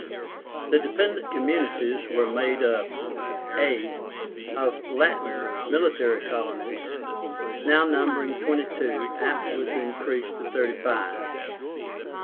The DEPENDENT COMMUNITIES were made up, a. Of the LATIN (military) COLONIES, now numbering twenty two, afterwards increased to thirty five.